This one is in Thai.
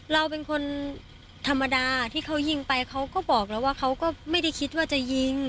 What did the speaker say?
เราเป็นคนธรรมดาที่เขายิงไปเขาก็บอกแล้วว่าเขาก็ไม่ได้คิดว่าจะยิง